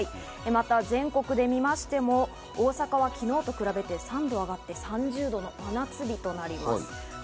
また、全国的に見ても大阪は昨日と比べて３度上がって３０度の真夏日。